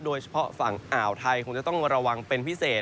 โดยเฉพาะฝั่งอ่าวไทยคงจะต้องระวังเป็นพิเศษ